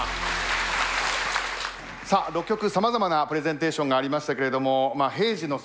６局さまざまなプレゼンテーションがありましたけれども平時の備えがね